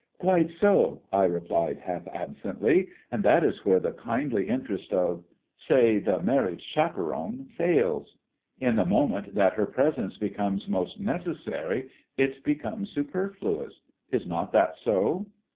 "Quite so," I replied half absently; "and that is where the kindly interest of, say, the married chaperone fails. In the moment that her presence becomes most necessary, it becomes superfluous. Is not that so?"